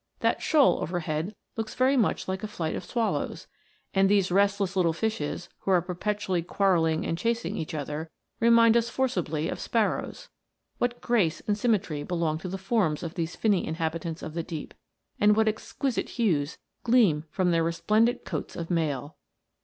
That shoal overhead looks very like a flight of swallows; and these restless little fishes, who are perpetually quarrelling and chasing each other, remind us forcibly of sparrows. What grace and symmetry belong to the forms of these finny inhabitants of the deep, and what exquisite hues gleam from their resplendent coats of mail